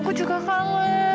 aku juga kangen